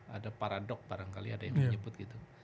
ada paradok barangkali ada yang menyebut gitu